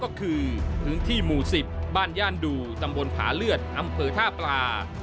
ก็คือพื้นที่หมู่๑๐บ้านย่านดูตำบลผาเลือดอำเภอท่าปลา